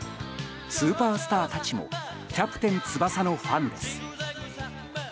スーパースターたちも「キャプテン翼」のファンです。